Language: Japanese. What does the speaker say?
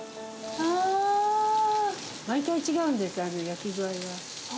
毎回違うんですよ、焼き具合が。